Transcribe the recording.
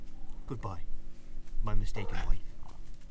"Good bye, my mistaken wife.